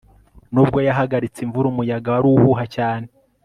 nubwo yahagaritse imvura, umuyaga wari uhuha cyane